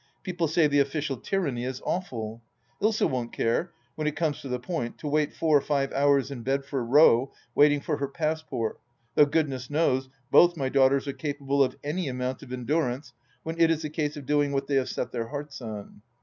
People say the official tyranny is awful. Ilsa won't care, when it comes to the point, to wait four or five hours in Bedford Row waiting for her passport, though Goodness knows, both my daughters are capable of any amount of endurance when it is a case of doing what they have set their hearts on.